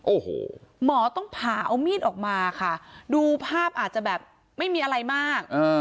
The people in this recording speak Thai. โอ้โหหมอต้องผ่าเอามีดออกมาค่ะดูภาพอาจจะแบบไม่มีอะไรมาก